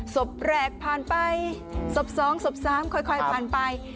สบแหลกผ่านไปสบสองสบสามค่อยผ่านไป